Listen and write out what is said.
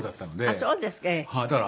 あっそうですか。